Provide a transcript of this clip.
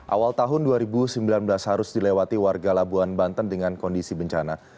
awal tahun dua ribu sembilan belas harus dilewati warga labuan banten dengan kondisi bencana